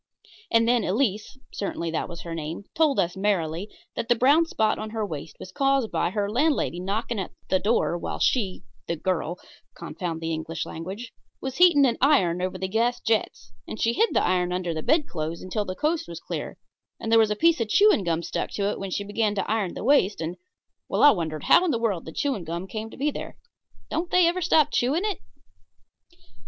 And then Elise certainly that was her name told us, merrily, that the brown spot on her waist was caused by her landlady knocking at the door while she (the girl confound the English language) was heating an iron over the gas jet, and she hid the iron under the bedclothes until the coast was clear, and there was the piece of chewing gum stuck to it when she began to iron the waist, and well, I wondered how in the world the chewing gum came to be there don't they ever stop chewing it?